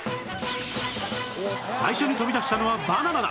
最初に飛び出したのはバナナだ